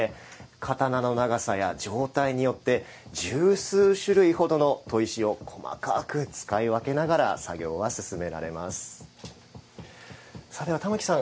刀の長さや状態によって十数種類ほどの砥石を細かく使い分けながら作業は進められます。